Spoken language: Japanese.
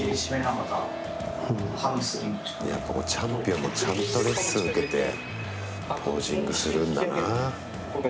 やっぱこう、チャンピオンもちゃんとレッスン受けてポージングするんだな。